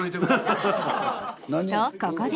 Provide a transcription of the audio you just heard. とここで。